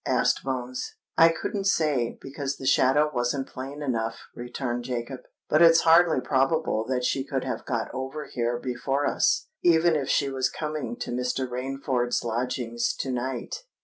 asked Bones. "I couldn't say, because the shadow wasn't plain enough," returned Jacob. "But it's hardly probable that she could have got over here before us, even if she was coming to Mr. Rainford's lodgings to night."